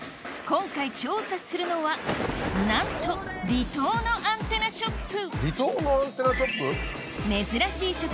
今回調査するのはなんと離島のアンテナショップ？